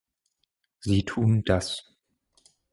Sie tun das.